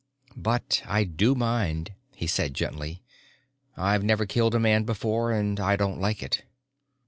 _ "But I do mind," he said gently. "I've never killed a man before and I don't like it."